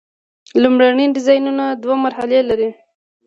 لومړني ډیزاینونه دوه مرحلې لري.